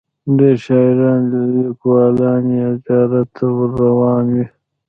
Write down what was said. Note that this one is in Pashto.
ډیر شاعران لیکوالان یې زیارت ته ور روان وي.